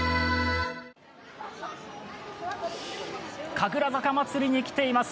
神楽坂まつりに来ています。